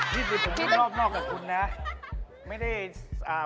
พี่มันเป็นคนรอบกับคุณนะ